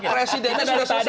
presidennya sudah selesai